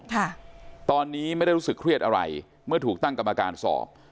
ค่ะตอนนี้ไม่ได้รู้สึกเครียดอะไรเมื่อถูกตั้งกรรมการสอบ